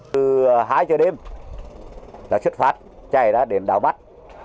từ hai giờ đêm là chút phát chạy đến đào mắt